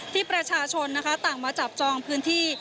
ที่ประชาชนนะคะต่างมาจับจองพื้นที่